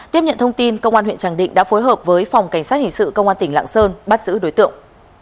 tiếp nhận thông tin công an huyện tràng định đã phối hợp với phòng cảnh sát hình sự công an tỉnh lạng sơn bắt giữ đối tượng